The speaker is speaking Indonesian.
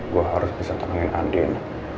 gue harus bisa tenangin adene